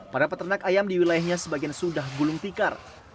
para peternak ayam di wilayahnya sebagian sudah gulung tikar